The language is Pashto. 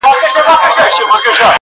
درد کور ټول اغېزمن کوي تل